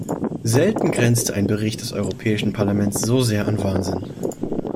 Selten grenzte ein Bericht des Europäischen Parlaments so sehr an Wahnsinn.